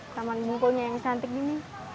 taman bungkunya yang cantik gini